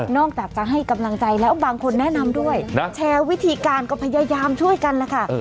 จากจะให้กำลังใจแล้วบางคนแนะนำด้วยแชร์วิธีการก็พยายามช่วยกันแล้วค่ะ